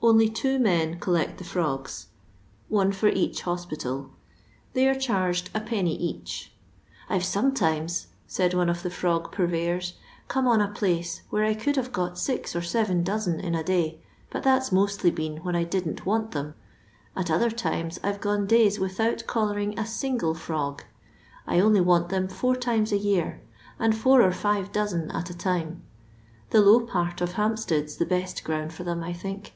Only two men collect the frogs, one for each hoi^ LONDON LABOUR AND THE LONDON POOR. 81 pitaL • Tbej are charged \d, each :—I 've some tunes," said one of the frog pnrvejon, come on a place where I eoald have got six or scTen dozen in a day, bat that 's mostly been when I didn't want than. At other times I *Te gone days with out ooUaring a single frog. I only want them four timea a year, and four or five dozen at a time. The low part of Hempstead 's the best ground for | them, I think.